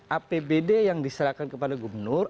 apbd yang diserahkan kepada gubernur